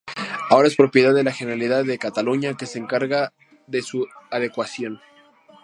Ahora es propiedad de la Generalidad de Cataluña que se encarga de su adecuación.